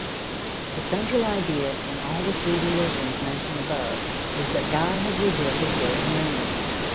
The central idea in all the three religions mentioned above, is that God has revealed his will to man.